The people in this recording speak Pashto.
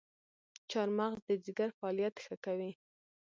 چارمغز د ځیګر فعالیت ښه کوي.